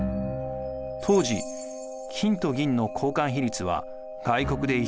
当時金と銀の交換比率は外国で１対１５